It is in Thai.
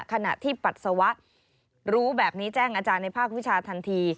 ขณะที่ปัสสาวะรู้แบบนี้แจ้งอาจารย์ในภาควิชาทันที